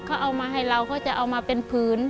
เขาเอามาให้เราเขาจะเอามาเป็นผืน